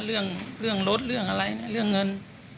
เรื่องรถเรื่องอะไรนะเรื่องเงิน